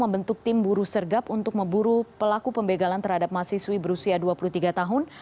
membentuk tim buru sergap untuk memburu pelaku pembegalan terhadap mahasiswi berusia dua puluh tiga tahun